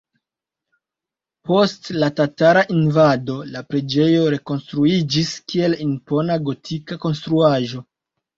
Post la tatara invado la preĝejo rekonstruiĝis, kiel impona gotika konstruaĵo.